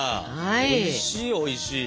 おいしいおいしい。